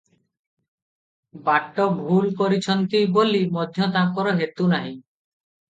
ବାଟ ଭୁଲ କରିଚନ୍ତି ବୋଲି ମଧ୍ୟ ତାଙ୍କର ହେତୁ ନାହିଁ ।